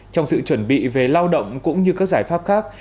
trong sự chuẩn bị về lao động cũng như các giải pháp khác